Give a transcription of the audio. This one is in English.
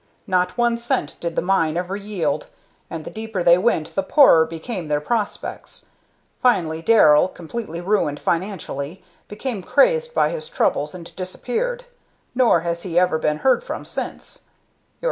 Not one cent did the mine ever yield, and the deeper they went the poorer became their prospects. Finally, Darrell, completely ruined financially, became crazed by his troubles and disappeared; nor has he ever been heard from since.